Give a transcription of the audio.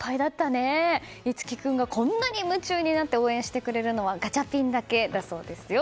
樹君がこんなに夢中になって応援してくれるのはガチャピンだけだそうですよ。